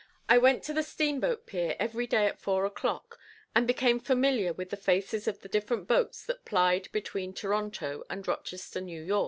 I went to the steamboat pier every day at four o'clock, and became familiar with the faces of the different boats that plied between Toronto and Rochester, N. Y.